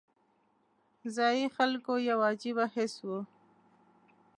ځایي خلکو کې یو عجیبه حس و.